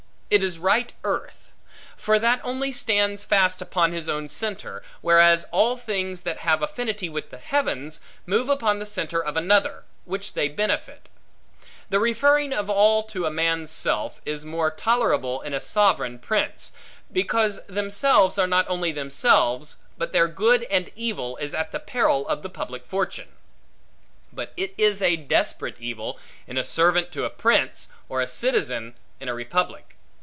It is right earth. For that only stands fast upon his own centre; whereas all things, that have affinity with the heavens, move upon the centre of another, which they benefit. The referring of all to a man's self, is more tolerable in a sovereign prince; because themselves are not only themselves, but their good and evil is at the peril of the public fortune. But it is a desperate evil, in a servant to a prince, or a citizen in a republic.